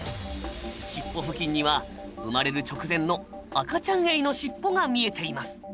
尻尾付近には生まれる直前の赤ちゃんエイの尻尾が見えています。